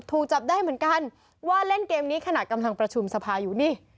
ถูกจับได้เหมือนกันว่าเล่นเกมนี้ขณะกำลังประชุมสภาอยู่นี่